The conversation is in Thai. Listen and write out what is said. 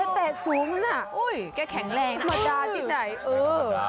อย่าเตะสูงนะ